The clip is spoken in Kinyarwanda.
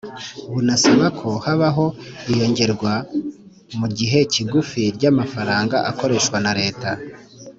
bunasaba ko habaho iyongerwa mu gihe kigufi ry'amafaranga akoreshwa na leta